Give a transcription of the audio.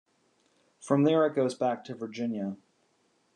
From there it goes back into Virginia.